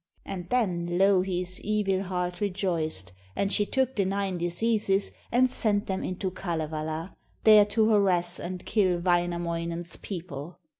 And then Louhi's evil heart rejoiced, and she took the nine diseases and sent them into Kalevala, there to harass and kill Wainamoinen's people.